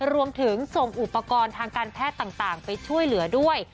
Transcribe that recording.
รวมถึงส่งอุปกรณ์ทางการแพทย์ต่างไปช่วยเหลือด้วย